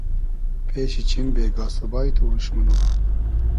پېشی چیم بېگا سوبای تو اوش مونوم